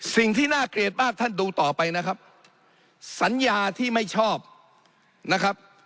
สิ่งที่น่าเกลียดมากท่านดูต่อไปนะครับสัญญาที่ไม่ชอบนะครับ